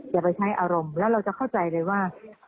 อย่าไปใช้อารมณ์แล้วเราจะเข้าใจเลยว่า